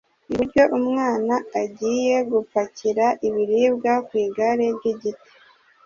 iburyo umwana agiye gupakira ibiribwa ku igare ry’igiti